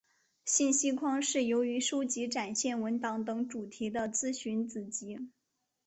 信息框是由于收集展现文档等主题的资讯子集。